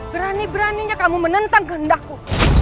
berani beraninya kamu menentang kehendakku